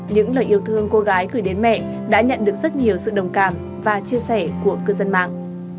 những lời yêu thương cô gái gửi đến mẹ đã nhận được rất nhiều sự đồng cảm và chia sẻ của cư dân mạng